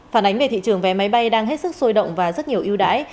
phản ánh về thị trường vé máy bay đang hết sức sôi động và rất nhiều yêu đãi